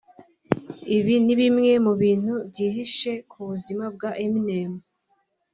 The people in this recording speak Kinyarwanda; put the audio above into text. Ibi ni bimwe mu bintu byihishe ku buzima bwa Eminem